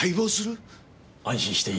安心していい。